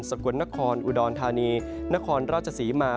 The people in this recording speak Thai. สะกวนนครอุดรธานีนครราชสีมา